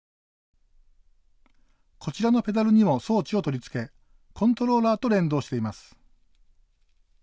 こちらのペダルにも装置を取り付けコントローラーと連動しています。